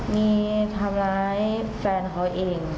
มีทำร้ายแฟนเขาเอง